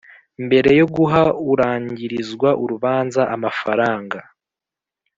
Mbere yo guha urangirizwa urubanza amafaranga